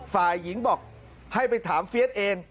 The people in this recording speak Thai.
ฝ่ายหญิงบอกให้ไปถามเฟียสเอง